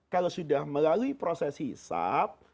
kalau sudah melalui proses hisap